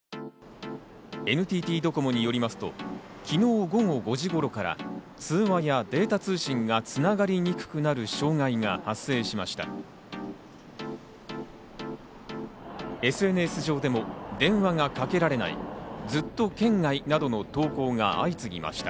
ＮＴＴドコモによりますと昨日午後５時頃から通話やデータ通信が繋がりにくくなる障害が発生しました。